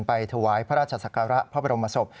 ไปถวายพระราชกรภรรมศพ